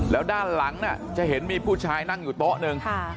แล้วด้านหลังจะเห็นมีผู้ชายนั่งอยู่โต๊ะหนึ่ง